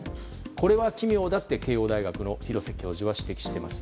これは奇妙だと慶應大学の廣瀬教授は指摘します。